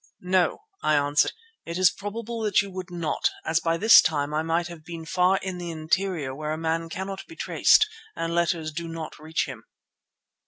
"No," I answered, "it is probable that you would not, as by this time I might have been far in the interior where a man cannot be traced and letters do not reach him."